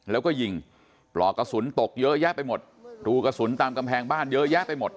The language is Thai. แล้วก็ยิงปลอกกระสุนตกเยอะแยะไปหมดรูกระสุนตามกำแพงบ้านเยอะแยะไปหมด